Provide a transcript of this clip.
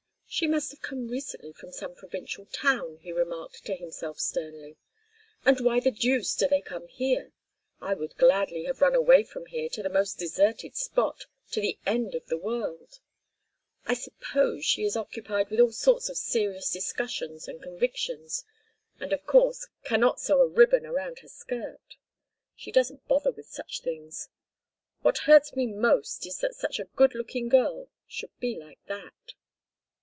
"She must have come recently from some provincial town," he remarked to himself sternly. "And why the deuce do they come here? I would gladly have run away from here to the most deserted spot, to the end of the world. I suppose she is occupied with all sorts of serious discussions and convictions, and, of course, cannot sew a ribbon around her skirt. She doesn't bother with such things. What hurts me most is that such a good looking girl should be like that."